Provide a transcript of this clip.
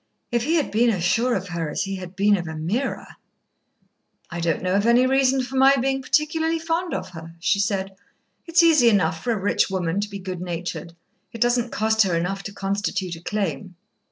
If he had been as sure of her as he had been of Ameerah ! "I don't know of any reason for my being particularly fond of her," she said. "It's easy enough for a rich woman to be good natured. It doesn't cost her enough to constitute a claim."